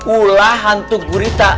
ulah hantu gurita